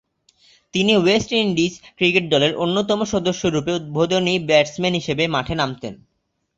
তিনি West Indies cricket দলের অন্যতম সদস্যরূপে উদ্বোধনী ব্যাটসম্যান হিসেবে মাঠে নামতেন।